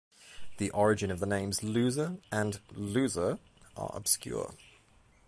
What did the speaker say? The origin of the names, Loser and Leuser, are obscure.